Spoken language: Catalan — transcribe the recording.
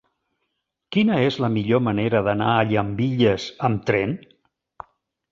Quina és la millor manera d'anar a Llambilles amb tren?